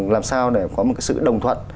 làm sao để có một sự đồng thuận